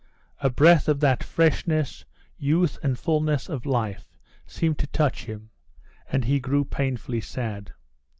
A breath of that freshness, youth and fulness of life seemed to touch him, and he grew painfully sad.